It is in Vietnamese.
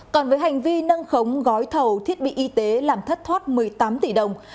còn với hành vi nâng khống gói thầu thiết bị y tế làm thất thoát một mươi tám tỷ đồng